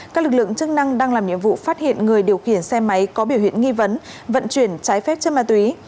các lực lượng chức năng đang làm nhiệm vụ phát hiện người điều khiển xe máy có biểu hiện nghi vấn vận chuyển trái phép chất ma túy